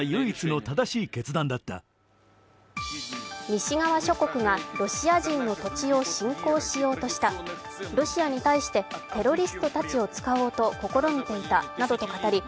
西側諸国がロシア人の土地を侵攻しようとした、ロシアに対して、テロリストたちを使おうと試みていたなどと語り